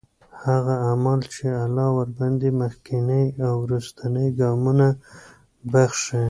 هغه أعمال چې الله ورباندي مخکيني او وروستنی ګناهونه بخښي